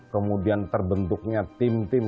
kemudian terbentuknya tim tim